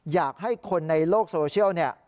อยากให้คนในโลกโซเชียล